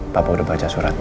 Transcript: papa udah baca suratnya